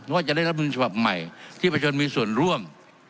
ว่าจะได้รับบุญฉบับใหม่ที่ประชนมีส่วนร่วม